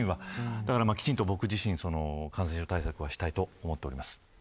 だから、きちんと僕自身は感染症対策をしたいと思っています。